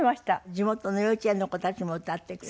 地元の幼稚園の子たちも歌ってくれて？